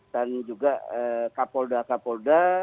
dan juga kapolda kapolda